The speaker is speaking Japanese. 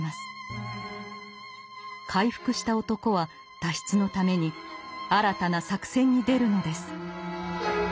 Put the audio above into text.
回復した男は脱出のために新たな作戦に出るのです。